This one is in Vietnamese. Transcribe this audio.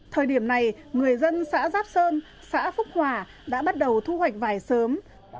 thời điểm này người dân xã giáp sơn xã phúc hòa đã bắt đầu thu hoạch vải sớm